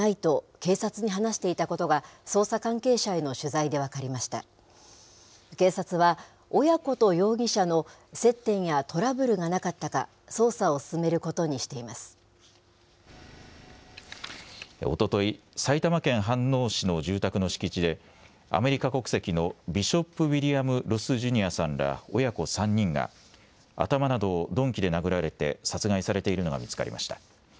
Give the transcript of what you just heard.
警察は、親子と容疑者の接点やトラブルがなかったか、おととい、埼玉県飯能市の住宅の敷地で、アメリカ国籍のビショップ・ウィリアム・ロス・ジュニアさんの親子３人が、頭などを鈍器で殴られて、殺害されているのが見つかりました。